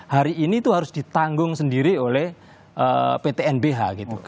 hari ini itu harus ditanggung sendiri oleh pt nbh gitu